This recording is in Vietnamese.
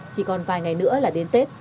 chỉ còn vài ngày nữa là đến tết